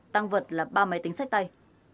tăng vật là ba máy tính sách tay